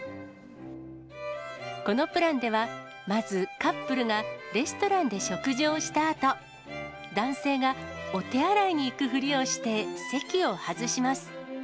このプランでは、まずカップルがレストランで食事をしたあと、男性がお手洗いに行くふりをして席を外します。